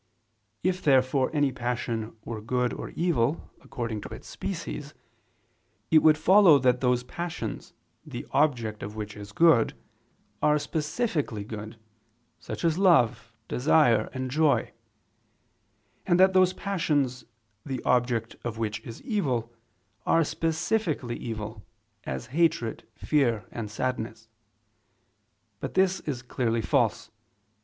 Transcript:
If, therefore, any passion were good or evil, according to its species, it would follow that those passions the object of which is good, are specifically good, such as love, desire and joy: and that those passions, the object of which is evil, are specifically evil, as hatred, fear and sadness. But this is clearly false.